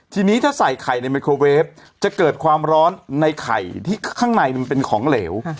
ทีนี้ถ้าใส่ไข่ในไมโครเวฟจะเกิดความร้อนในไข่ที่ข้างในมันเป็นของเหลว